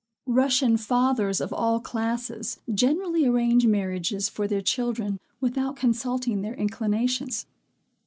Russian fathers, of all classes, generally arrange marriages for their children, without consulting their inclinations.